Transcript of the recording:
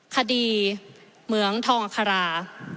เหมืองทองอัครา